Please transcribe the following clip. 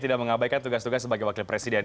tidak mengabaikan tugas tugas sebagai wakil presiden